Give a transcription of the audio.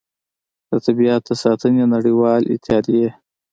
د طبیعت د ساتنې نړیوالې اتحادیې